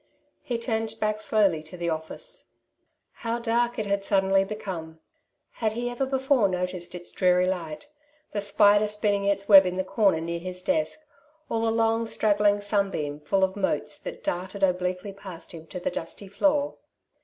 He turned back slowly to the office. How dark it had suddenly become. Had he ever before noticed its dreary light — the spider spinning its web in the corner near his desk, or the long straggling sunbeam full of motes that darted obliquely past him to the dusty floor